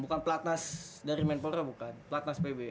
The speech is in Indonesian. bukan platnas dari man polro bukan